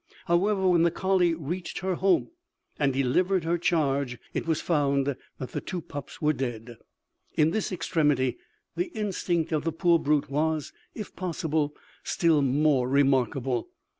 However, when the colley reached her home, and delivered her charge, it was found that the two pups were dead. In this extremity, the instinct of the poor brute was, if possible, still more remarkable.